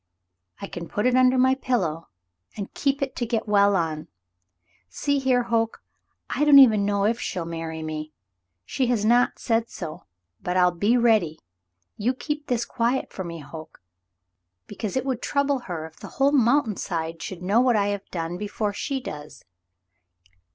"I can put it under my pillow and keep it to get well on. See here, Hoke. I don't even know if she'll marry me; she has not said so, but I'll be ready. You'll keep this quiet for me, Hoke ? Because it would trouble her if the whole mountain side should know what I have done before she does.